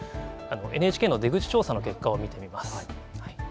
ＮＨＫの出口調査の結果を見てみます。